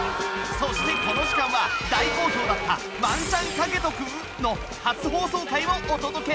そしてこの時間は大好評だった『＃ワンチャン賭けとくぅ？』の初放送回をお届け！